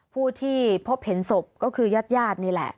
ผู้ที่พบเห็นศพก็คือยาดนี่แหละ